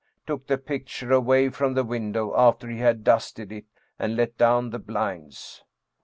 took the picture away from the window after he had dusted it, and let down the blinds."